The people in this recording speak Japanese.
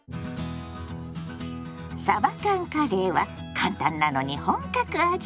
「さば缶カレー」は簡単なのに本格味。